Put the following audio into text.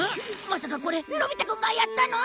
まさかこれのび太くんがやったの！？